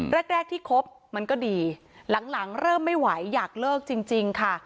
แรกที่คบมันก็ดีหลังเริ่มไม่ไหวอยากเลิกจริงค่ะ